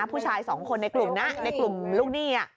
ผู้ชายสองคนในกลุ่มนะในกลุ่มลูกหนี้